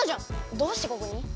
どうしてここに？